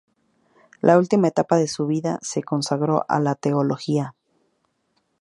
La última etapa de su vida se consagró a la Teología.